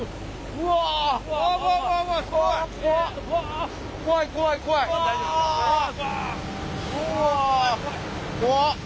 うわ怖っ。